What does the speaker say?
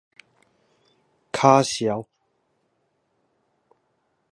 跤數